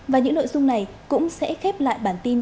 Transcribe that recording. và những nội dung này cũng sẽ khép lại bản tin